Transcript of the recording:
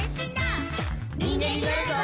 「にんげんになるぞ！」